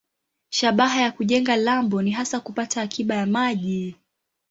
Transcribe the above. Shabaha ya kujenga lambo ni hasa kupata akiba ya maji.